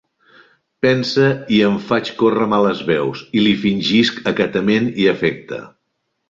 Pense i en faig córrer males veus i, li fingisc acatament i afecte.